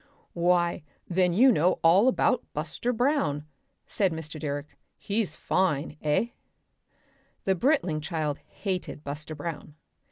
"Why! Then you know all about Buster Brown," said Mr. Direck. "He's Fine eh?" The Britling child hated Buster Brown.